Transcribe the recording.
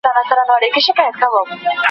روغتونونه د خلګو لپاره ډېر اړین دي.